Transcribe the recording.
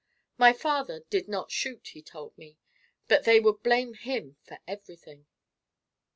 My father did not shoot, he told me, but they would blame him for everything.